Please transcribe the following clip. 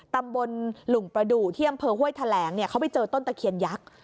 ตำบลหลุงประดูกที่อำเภอห้วยแถลงเขาไปเจอต้นตะเคียนยักษ์